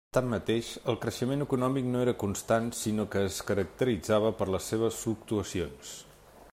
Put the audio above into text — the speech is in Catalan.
Tanmateix, el creixement econòmic no era constant, sinó que es caracteritzava per les seves fluctuacions.